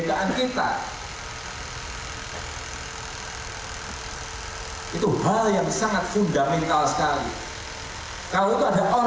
gak usah takut